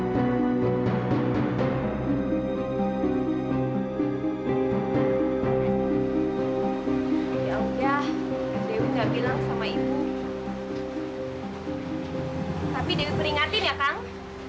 tapi dewi peringatin ya kan